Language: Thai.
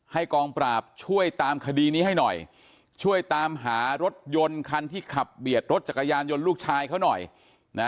กองปราบช่วยตามคดีนี้ให้หน่อยช่วยตามหารถยนต์คันที่ขับเบียดรถจักรยานยนต์ลูกชายเขาหน่อยนะ